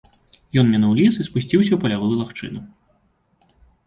Ён мінуў лес і спусціўся ў палявую лагчыну.